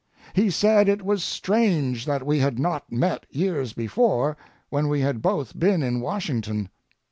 He said it was strange that we had not met years before, when we had both been in Washington.